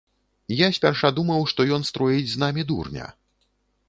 Я спярша думаў, што ён строіць з намі дурня.